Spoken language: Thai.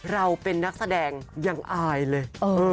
เราเป็นนักแสดงยังอายเลย